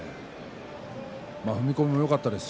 踏み込みもよかったです